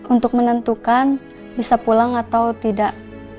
untuk menentukan bisa pulang atau tidak